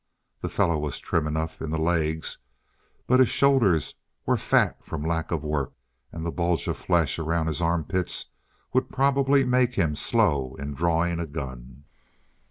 The fellow was trim enough in the legs. But his shoulders were fat from lack of work, and the bulge of flesh around the armpits would probably make him slow in drawing a gun.